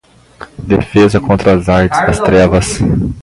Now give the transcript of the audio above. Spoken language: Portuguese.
Defesa Contra as Artes das Trevas